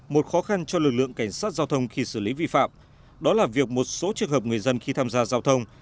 một khó khăn cho lực lượng cảnh sát giao thông khi xử lý vi phạm đó là việc một số trường hợp người dân khi tham gia giao thông